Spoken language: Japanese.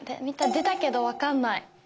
出たけど分かんない。